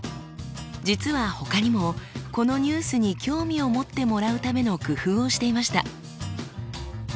実は他にもこのニュースに興味を持ってもらうための工夫をしていました。